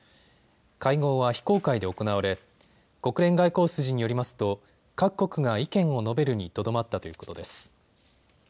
会合は非公開で行われ国連外交筋によりますと各国が意見を述べるにとどまったということです。